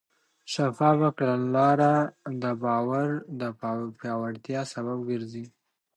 شفافه کړنلاره د باور د پیاوړتیا سبب ګرځي.